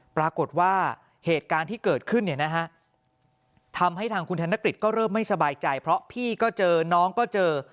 ปรากฏว่าเหตุการณ์ที่เกิดขึ้นเนี่ยนะฮะทำให้ทางคุณธนกฤษก็เริ่มไม่สบายใจเพราะพี่ก็เจอน้องก็เจอ